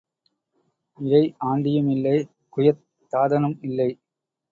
இடை ஆண்டியும் இல்லை குயத் தாதனும் இல்லை.